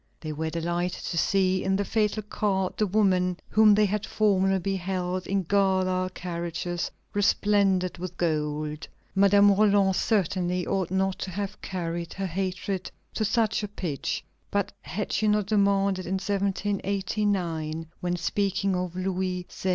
They were delighted to see in the fatal cart the woman whom they had formerly beheld in gala carriages resplendent with gold. Madame Roland certainly ought not to have carried her hatred to such a pitch; but had she not demanded in 1789, when speaking of Louis XVI.